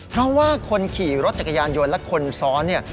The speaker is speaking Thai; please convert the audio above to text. เพราะว่าคนขี่รถจักรยานยนต์และคนซ้อนเนี่ย